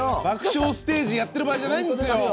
爆笑ステージやってる場合じゃないですよ！